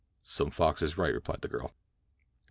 "Some fox, is right," replied the girl. II.